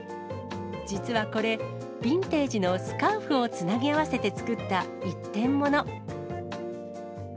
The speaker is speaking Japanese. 実はこれ、ビンテージのスカーフをつなぎ合わせて作った一点物。